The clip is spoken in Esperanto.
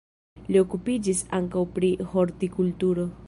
Li okupiĝis ankaŭ pri hortikulturo.